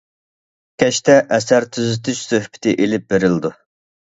كەچتە ئەسەر تۈزىتىش سۆھبىتى ئېلىپ بېرىلىدۇ.